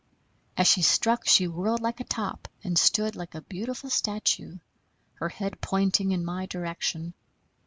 As she struck she whirled like a top and stood like a beautiful statue, her head pointing in my direction.